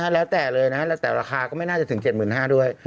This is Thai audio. แล้วแต่ราคาก็ไม่น่าจะถึง๗๕๐๐๐บาทด้วย